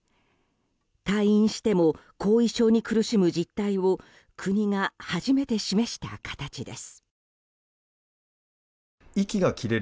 退院しても後遺症に苦しむ実態を国が初めて示した形です。